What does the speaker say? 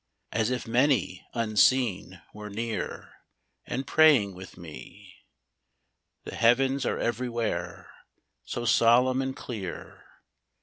As if many, unseen, were near, And praying with me. The heavens are everywhere, So solemn and clear.